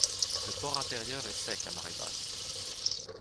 Le port intérieur est sec à marée basse.